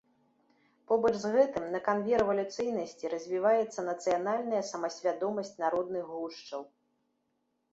Побач з гэтым, на канве рэвалюцыйнасці, развіваецца нацыянальная самасвядомасць народных гушчаў.